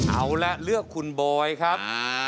เอาละเลือกคุณบอยครับ